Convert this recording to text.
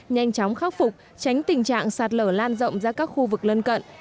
nhanh chóng khắc phục tránh tình trạng sạt lở lan rộng ra các khu vực lân cận